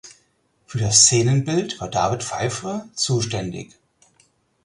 Für das Szenenbild war David Faivre zuständig.